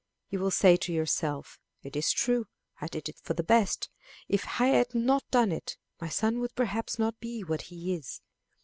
You will say to yourself, it is true, I did it for the best. If I had not done it, my son would perhaps not be what he is.